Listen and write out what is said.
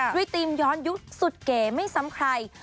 ทีมย้อนยุคสุดเก๋ไม่ซ้ำใคร